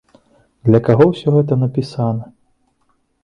Для каго ўсё гэта напісана?